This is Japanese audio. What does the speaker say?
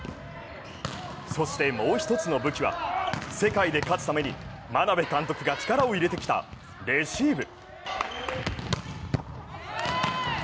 そしてもう一つの武器は世界で勝つために眞鍋監督が力を入れてきたレシーブ。